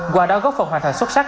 qua đó góp phần hoàn thành xuất sắc